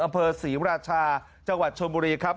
อำเภอศรีราชาจังหวัดชนบุรีครับ